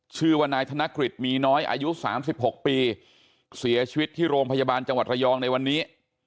ชื่อว่านายธนกฤษมีน้อยอายุ๓๖ปีเสียชีวิตที่โรงพยาบาลจังหวัดระยองในวันนี้